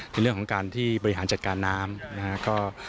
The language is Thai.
ในเรื่องของการที่บริหารจัดการน้ำนะครับ